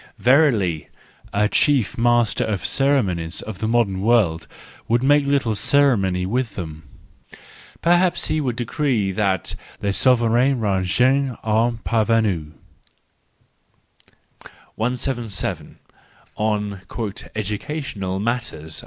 Verily, a chief master of ceremonies of the modern world would make little ceremony with them; perhaps he would decree that "les souverains rangent aux parvenus 177 On " Educational Matters